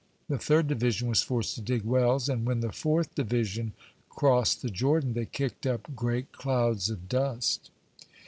The third division was forced to dig wells, and when the fourth division crossed the Jordan, they kicked up great clouds of dust.